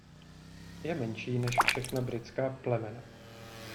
Je menší než všechna britská plemena.